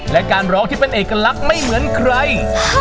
และการร้องที่เป็นเอกลักษณ์ไม่เหมือนใคร